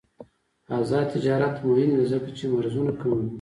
آزاد تجارت مهم دی ځکه چې مرزونه کموي.